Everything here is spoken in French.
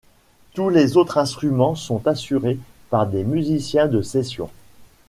Tous les autres instruments sont assurés par des musiciens de session.